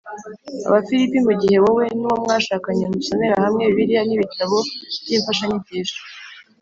Abafilipi mu gihe wowe n uwo mwashakanye musomera hamwe bibiliya n ibitabo by imfashanyigisho